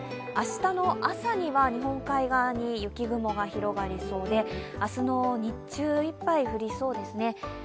明日の朝には日本海側に雪雲が広がりそうで明日の日中いっぱい降りそうですね。